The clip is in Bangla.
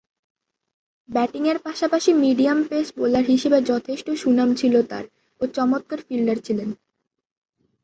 ব্যাটিংয়ের পাশাপাশি মিডিয়াম পেস বোলার হিসেবে যথেষ্ট সুনাম ছিল তার ও চমৎকার ফিল্ডার ছিলেন।